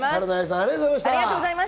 ありがとうございます。